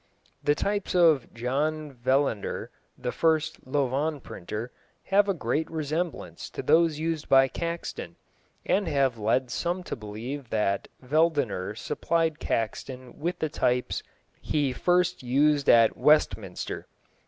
The types of John Veldener, the first Louvain printer, have a great resemblance to those used by Caxton, and have led some to believe that Veldener supplied Caxton with the types he first used at Westminster.